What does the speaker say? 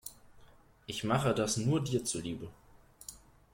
Ich mache das nur dir zuliebe.